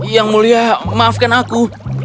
yang mulia maafkan aku